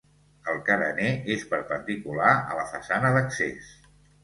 El carener és perpendicular a la façana d'accés.